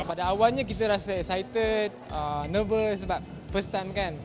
pada awalnya kita rasa teruja nervous karena ini adalah pertama kali